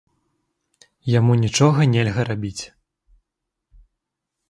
Яму нічога нельга рабіць.